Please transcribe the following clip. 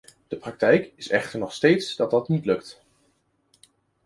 De praktijk is echter nog steeds dat dat niet lukt.